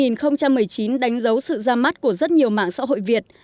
năm hai nghìn một mươi chín đánh dấu sự ra mắt của rất nhiều mạng xã hội việt